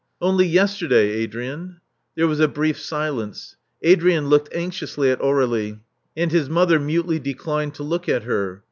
*'Only yesterday, Adrian." There was a brief silence. Adrian looked anxiously at Aur61ie; and his mother mutely declined to look at her.